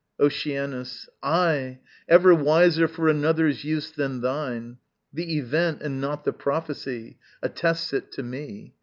Oceanus. Ay! ever wiser for another's use Than thine! the event, and not the prophecy, Attests it to me.